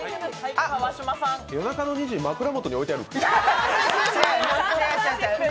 夜中の２時に枕元に置いてある？